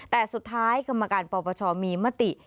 แต่สุดท้ายกรรมการปปชมีมติ